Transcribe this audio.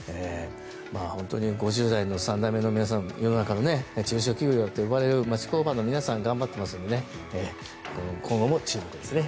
本当に５０代の３代目の皆さん世の中の中小企業と呼ばれる町工場の皆さん頑張っていますので今後も注目ですね。